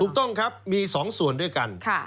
ถูกต้องครับมี๒ส่วนด้วยกัน